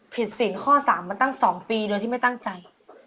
ผิดศีลข้อสามมาตั้งสองปีโดยที่ไม่ตั้งใจ